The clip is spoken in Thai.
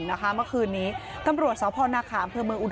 ตอนนี้ก็ไม่มีอัศวินทรีย์ที่สุดขึ้นแต่ก็ไม่มีอัศวินทรีย์ที่สุดขึ้น